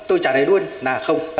tôi chẳng thấy luôn là không